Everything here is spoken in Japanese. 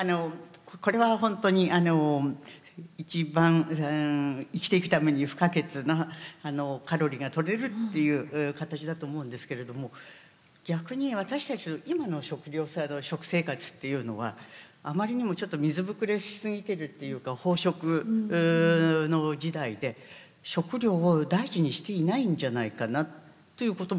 これは本当に一番生きていくために不可欠なカロリーがとれるっていう形だと思うんですけれども逆に私たちの今の食生活っていうのはあまりにもちょっと水膨れしすぎてるっていうか飽食の時代で食料を大事にしていないんじゃないかなということも考えるんですね。